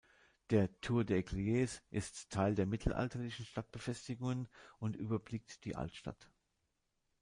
Der „Tour d’Eygliers“ ist Teil der mittelalterlichen Stadtbefestigungen und überblickt die Altstadt.